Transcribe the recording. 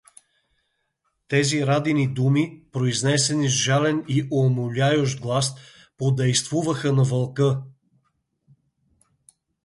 Тези Радини думи, произнесени с жален и умоляющ глас, подействуваха на Вълка.